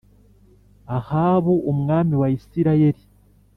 Ahabu umwami wa Isirayeli